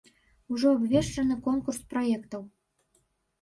Ужо абвешчаны конкурс праектаў.